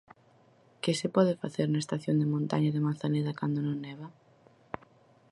Que se pode facer na Estación de Montaña de Manzaneda cando non neva?